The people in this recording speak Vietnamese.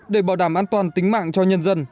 để bảo đảm an toàn tính mạng cho nhân dân